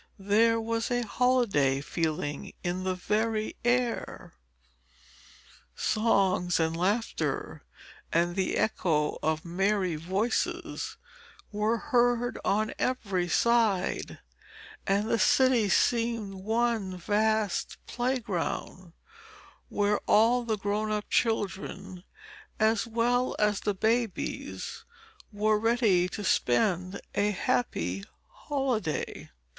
There was a holiday feeling in the very air. Songs and laughter and the echo of merry voices were heard on every side, and the city seemed one vast playground, where all the grown up children as well as the babies were ready to spend a happy holiday.